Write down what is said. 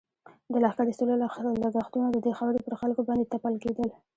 د لښکر ایستلو لږښتونه د دې خاورې پر خلکو باندې تپل کېدل.